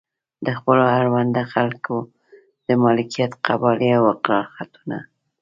د خپلو اړونده خلکو د مالکیت قبالې او اقرار خطونه.